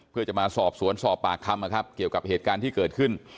เพื่อจะมาสอบสวนสอบปากคำนะครับเกี่ยวกับเหตุการณ์ที่เกิดขึ้น